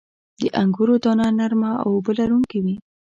• د انګورو دانه نرمه او اوبه لرونکې وي.